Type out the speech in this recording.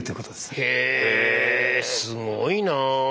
へえすごいなぁ。